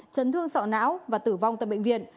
chấn thương sọ não và tử vong tại bệnh viện